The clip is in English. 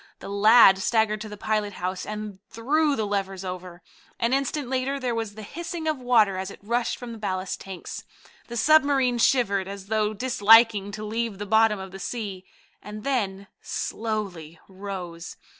The lad staggered to the pilot house and threw the levers over. An instant later there was the hissing of water as it rushed from the ballast tanks. The submarine shivered, as though disliking to leave the bottom of the sea, and then slowly rose.